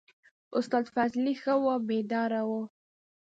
استاد فضلي ښه وو بیداره و.